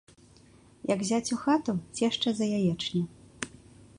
Як зяць у хату — цешча за яечню